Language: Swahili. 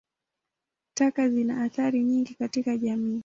Taka zina athari nyingi katika jamii.